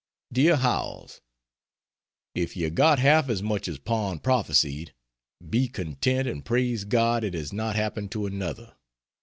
DEAR HOWELLS, If you got half as much as Pond prophesied, be content and praise God it has not happened to another.